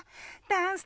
ダンス！